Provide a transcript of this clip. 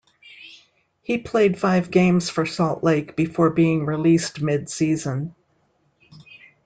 He played five games for Salt Lake before being released mid-season.